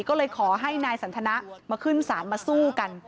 ก็เลยขอให้นายสันทนะมาขึ้นศาลมาสู้กัน